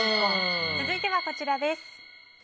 続いては、こちらです。